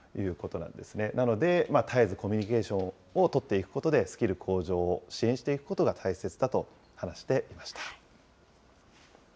なので、絶えずコミュニケーションを取っていくことで、スキル向上を支援していくことが大切だと話していました。